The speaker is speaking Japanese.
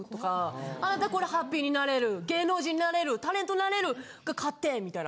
「あなたこれハッピーになれる」「芸能人なれる」「タレントなれる買って」みたいな。